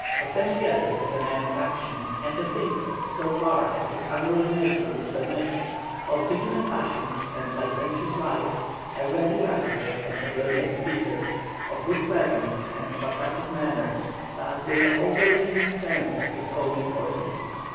José Miguel was a man of action, and a thinker so far as his unruly nature would permit; of vehement passions, and licentious life, a ready writer and a brilliant speaker, of good presence and of attractive manners, but with an overweening sense of his own importance.